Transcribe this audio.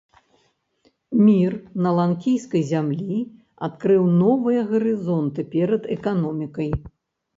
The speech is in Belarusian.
Мір на ланкійскай зямлі адкрыў новыя гарызонты перад эканомікай.